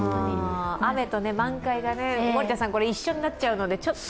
雨と満開が一緒になっちゃうのでちょっと。